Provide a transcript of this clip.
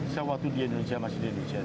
saya waktu di indonesia masih di indonesia